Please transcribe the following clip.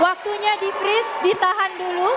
waktunya di freeze ditahan dulu